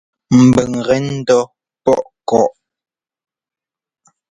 Mbʉ́ŋ gɛ ndɔ́ pɔʼɔ kɔ́.